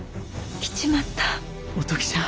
来ちまった。